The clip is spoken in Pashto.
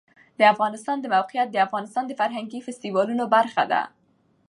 د افغانستان د موقعیت د افغانستان د فرهنګي فستیوالونو برخه ده.